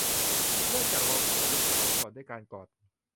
เริ่มจากลองเข้าไปรุกเขาก่อนด้วยการกอด